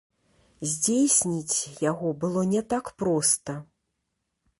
Здзейсніць яго было не так проста.